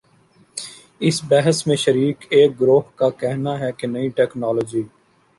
اس بحث میں شریک ایک گروہ کا کہنا ہے کہ نئی ٹیکنالوجی